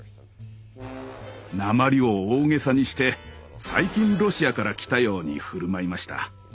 なまりを大げさにして最近ロシアから来たように振る舞いました。